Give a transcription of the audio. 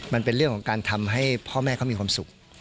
มันเป็นเรื่องของการทำให้พ่อแม่เขามีความสุข